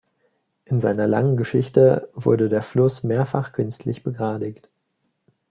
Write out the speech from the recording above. In seiner langen Geschichte wurde der Fluss mehrfach künstlich begradigt.